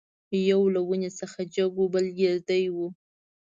یو له ونې څخه جګ وو بل ګردی وو.